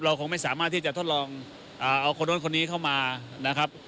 คงไม่สามารถที่จะทดลองเอาคนนู้นคนนี้เข้ามานะครับ